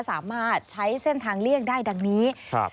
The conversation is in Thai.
สามารถใช้เส้นทางเลี่ยงได้ดังนี้ครับ